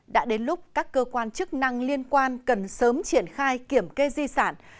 đã đến lúc các cơ quan chức năng liên quan cần sớm triển khai kiểm kê di sản